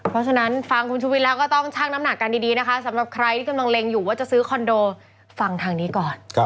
เพราะฉะนั้นฟังคุณชุวิตแล้วก็ต้องชั่งน้ำหนักกันดีนะคะสำหรับใครที่กำลังเล็งอยู่ว่าจะซื้อคอนโดฟังทางนี้ก่อน